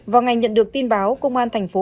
vào ngày nhận được tin báo công an thành phố